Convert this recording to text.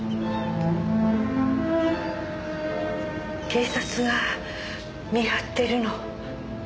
警察が見張ってるの。